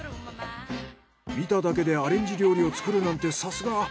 見ただけでアレンジ料理を作るなんてさすが。